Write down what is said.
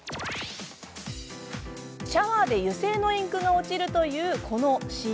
シャワーで油性のインクが落ちるというこのＣＭ。